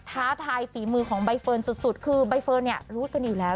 ท้าทายฝีมือของใบเฟิร์นสุดคือใบเฟิร์นเนี่ยรู้กันอยู่แล้ว